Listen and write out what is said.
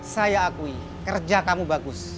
saya akui kerja kamu bagus